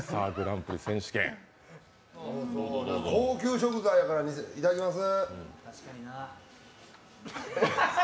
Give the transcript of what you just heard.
高級食材やからいただきます。